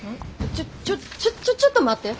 ちょちょちょちょっと待って。